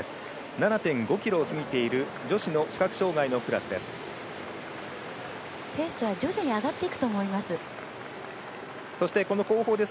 ７．５ｋｍを過ぎている女子の視覚障がいのクラスです。